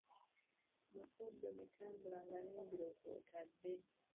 Mukoddomi tambula nga n'embiro kw'otadde .